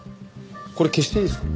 これ消していいですか？